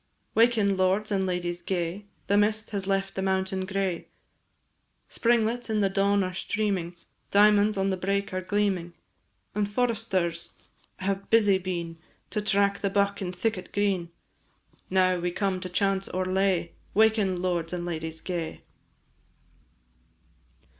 Waken, lords and ladies gay, The mist has left the mountain gray, Springlets in the dawn are steaming, Diamonds on the brake are gleaming: And foresters have busy been To track the buck in thicket green; Now we come to chant our lay, "Waken, lords and ladies gay."